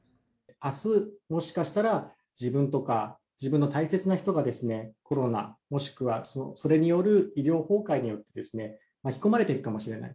あす、もしかしたら、自分とか自分の大切な人がコロナ、もしくはそれによる医療崩壊に巻き込まれていくかもしれない。